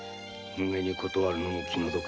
むげに断るのも気の毒。